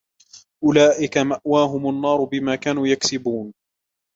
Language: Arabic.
أُولَئِكَ مَأْوَاهُمُ النَّارُ بِمَا كَانُوا يَكْسِبُونَ